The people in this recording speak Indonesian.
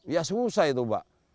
ya susah itu pak